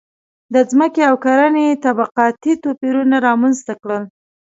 • ځمکې او کرنې طبقاتي توپیرونه رامنځته کړل.